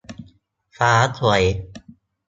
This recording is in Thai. ฟ้าสวย